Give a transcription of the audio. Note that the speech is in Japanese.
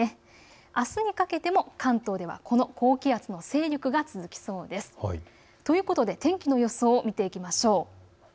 あすにかけても関東はこの高気圧の勢力が続きそうです。ということで天気の予想を見ていきましょう。